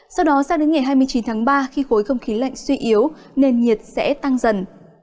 sau đó sang đến ngày hai mươi chín tháng ba khi khối không khí lạnh suy yếu nền nhiệt sẽ tăng dần